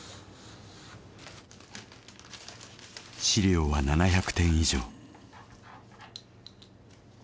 資料は７００点以上。